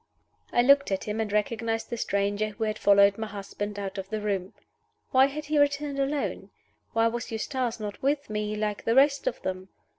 I looked at him, and recognized the stranger who had followed my husband out of the room. Why had he returned alone? Why was Eustace not with me, like the rest of them?